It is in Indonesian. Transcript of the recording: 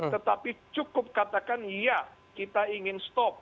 tetapi cukup katakan ya kita ingin stop